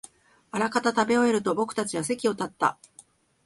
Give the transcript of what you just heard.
あらかた食べ終えると、僕たちは席を立った